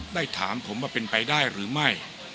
ได้ถามผมว่าเป็นไปได้หรือไม่